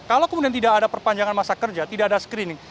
kalau kemudian tidak ada perpanjangan masa kerja tidak ada screening